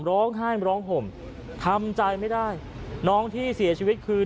ร้องไห้ร้องห่มทำใจไม่ได้น้องที่เสียชีวิตคือ